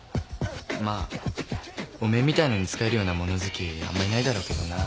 まあお前みたいのに仕えるような物好きあんまいないだろうけどな。